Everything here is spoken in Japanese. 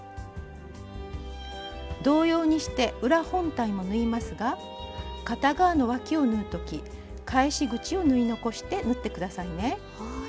同様にして裏本体も縫いますが片側のわきを縫う時返し口を縫い残して縫って下さいね。